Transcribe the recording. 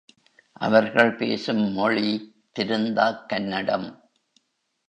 அவர்கள் பேசும் மொழி திருந்தாக் கன்னடம்.